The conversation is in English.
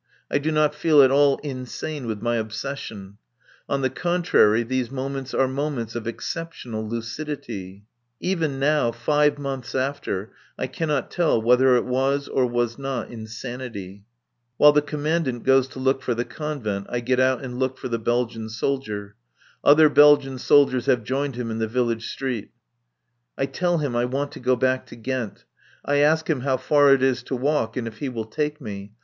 I do not feel at all insane with my obsession. On the contrary, these moments are moments of exceptional lucidity. While the Commandant goes to look for the Convent I get out and look for the Belgian soldier. Other Belgian soldiers have joined him in the village street. I tell him I want to go back to Ghent. I ask him how far it is to walk, and if he will take me.